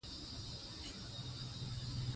په افغانستان کې بادي انرژي خورا ډېر زیات اهمیت لري.